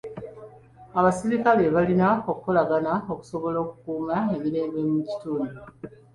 Abasirikale balina okukolagana okusobola okukuuma emirembe mu kitundu.